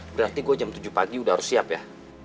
berarti gue jam tujuh pagi udah harus siap ya